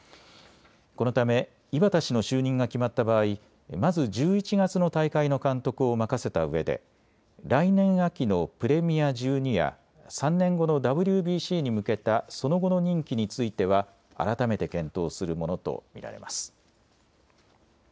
このため井端氏の就任が決まった場合、まず１１月の大会の監督を任せたうえで来年秋のプレミア１２や３年後のＷＢＣに向けたその後の任期については改めて検討するものと見られます。